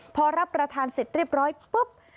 พอรับประทานเสร็จเรียบร้อยปุ๊บ